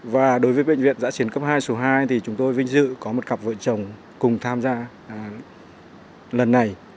và đối với bệnh viện giã chiến cấp hai số hai thì chúng tôi vinh dự có một cặp vợ chồng cùng tham gia lần này